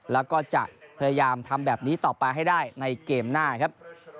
แล้วก็จะพยายามทำแบบนี้ต่อไปให้ได้ในเกมหน้าครับ